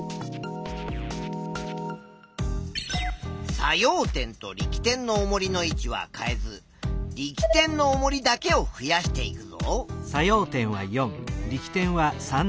作用点と力点のおもりの位置は変えず力点のおもりだけを増やしていくぞ。